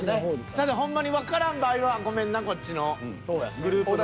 ただほんまにわからん場合はごめんなこっちのグループの。